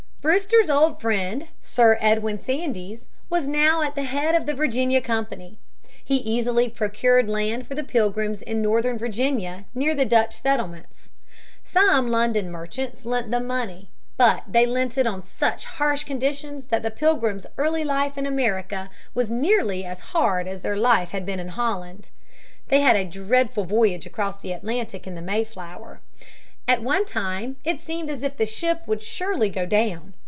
Brewster's old friend, Sir Edwin Sandys, was now at the head of the Virginia Company. He easily procured land for the Pilgrims in northern Virginia, near the Dutch settlements (p. 41). Some London merchants lent them money. But they lent it on such harsh conditions that the Pilgrims' early life in America was nearly as hard as their life had been in Holland. They had a dreadful voyage across the Atlantic in the Mayflower. At one time it seemed as if the ship would surely go down.